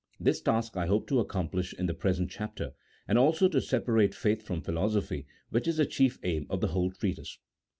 This task I hope to accomplish in the present chapter, and also to separate faith from philosophy, which is the chief aim of the whole treatise.